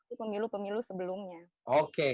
itu pemilu pemilu sebelumnya